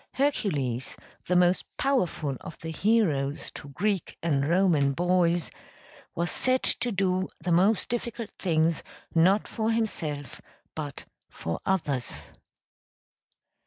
Hercules, the most powerful of the heroes to Greek and Roman boys was set to do the most difficult things not for himself but for others.